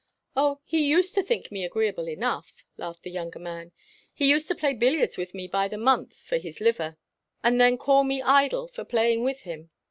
"Oh, he used to think me agreeable enough," laughed the younger man. "He used to play billiards with me by the month for his liver, and then call me idle for playing with him.